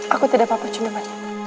aku tidak apa apa cuma mbak